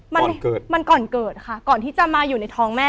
มันเกิดมันก่อนเกิดค่ะก่อนที่จะมาอยู่ในท้องแม่